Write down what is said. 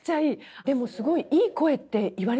でもすごいいい声って言われませんか？